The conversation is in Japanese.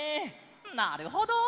なるほど！